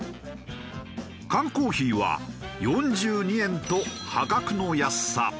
缶コーヒーは４２円と破格の安さ。